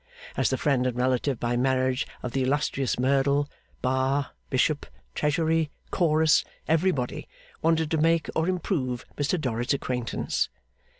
As the friend and relative by marriage of the illustrious Merdle, Bar, Bishop, Treasury, Chorus, Everybody, wanted to make or improve Mr Dorrit's acquaintance.